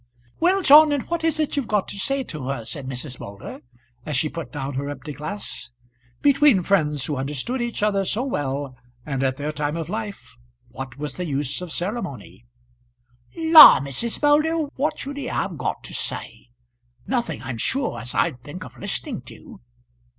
"Well, John, and what is it you've got to say to her?" said Mrs. Moulder, as she put down her empty glass. Between friends who understood each other so well, and at their time of life, what was the use of ceremony? "La, Mrs. Moulder, what should he have got to say? Nothing I'm sure as I'd think of listening to."